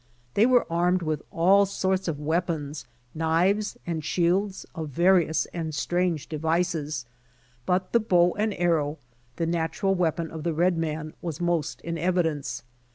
They were armed with all sorts of weapons, knives and shields of various and strange devices, but the bow and arrow, the natural weapon of the red man was most in evi dence.